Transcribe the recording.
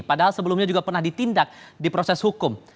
padahal sebelumnya juga pernah ditindak di proses hukum